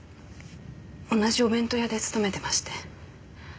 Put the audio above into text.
同じお弁当屋で勤めてまして。